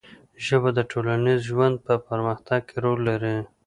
ژبه د ټولنیز ژوند په پرمختګ کې رول لري